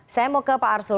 saya mau ke pak arsul